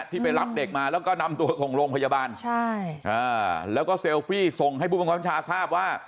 ที่ไปรับเด็กมาแล้วก็นำตัวส่งโรงพยาบาลใช่อ่าแล้วก็เซลฟี่ส่งให้ผู้บังคับชาทราบว่า